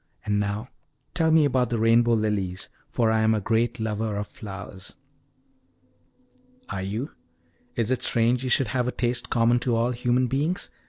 And now tell me about the rainbow lilies, for I am a great lover of flowers." "Are you? Is it strange you should have a taste common to all human beings?"